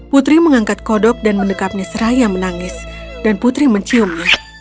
putri mengangkat kodok dan mendekatnya seraya menangis dan putri menciumnya